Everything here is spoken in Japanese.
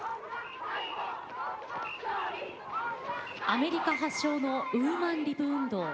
アメリカ発祥のウーマン・リブ運動。